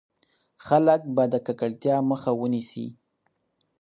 خلک به د ککړتيا مخه ونيسي.